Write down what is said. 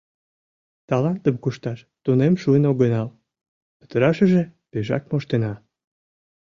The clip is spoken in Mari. Талантым кушташ тунем шуын огынал — пытарашыже пешак моштена...